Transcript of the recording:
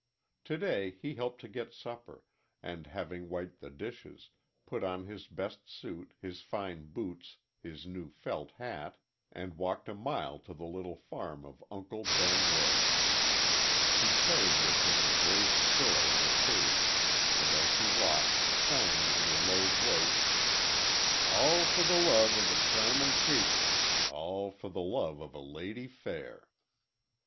To day he helped to get supper, and, having wiped the dishes, put on his best suit, his fine boots, his new felt hat, and walked a mile to the little farm of Uncle Ben Roice. He carried with him a gray squirrel in a cage, and, as he walked, sang in a low voice: "All for the love of a charmin' creature, All for the love of a lady fair."